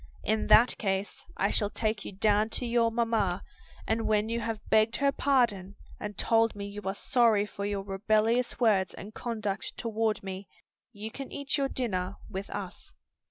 In that case, I shall take you down to your mamma, and when you have begged her pardon and told me you are sorry for your rebellious words and conduct toward me, you can eat your dinner with us."